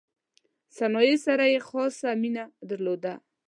صنایعو سره یې خاصه مینه درلوده.